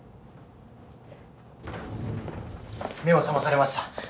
目を覚まされました。